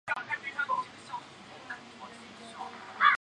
天竺大将棋狮子的升级棋。